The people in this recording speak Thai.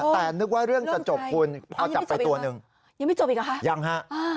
แต่นึกว่าเรื่องจะจบคุณพอจับไปตัวหนึ่งยังไม่จบอีกหรอคะยังฮะ